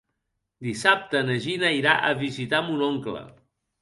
Dissabte na Gina irà a visitar mon oncle.